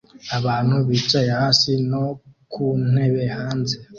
Abantu bicaye hasi no ku ntebe hanze